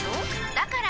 だから！